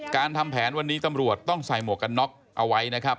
การทำแผนวันนี้ตำรวจต้องใส่หมวกกันน็อกเอาไว้นะครับ